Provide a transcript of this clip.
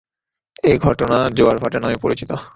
এই ঘটনা জোয়ার-ভাটা নামে পরিচিত।